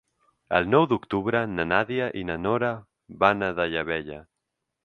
El nou d'octubre na Nàdia i na Nora van a Daia Vella.